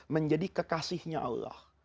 menjadi kekasihnya allah